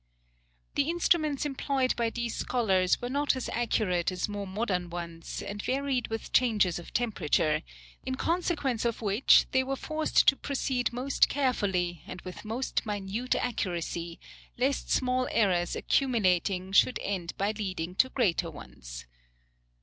The instruments employed by these scholars were not as accurate as more modern ones, and varied with changes of temperature, in consequence of which, they were forced to proceed most carefully, and with most minute accuracy, lest small errors accumulating should end by leading to greater ones.